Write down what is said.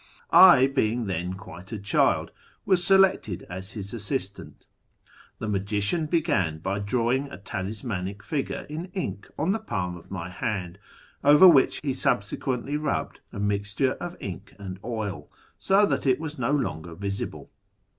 I, being then quite a child, was selected as his assistant. The magician began by drawing a talismanic figure in ink on the jDalm of my hand, over which he subsequently rubbed a mixture of ink and oil, so that it was no longer visible.